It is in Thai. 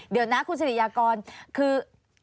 เดี๋ยวนะคุณสิริยากรคือ